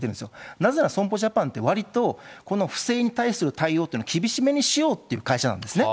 なぜなら損保ジャパンってわりとこの不正に対する対応っていうのは厳しめにしようっていう会社なんですね。